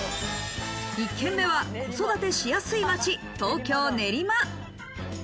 １軒目は子育てしやすい町、東京・練馬。